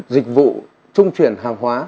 dịch vụ trung truyền hàng hóa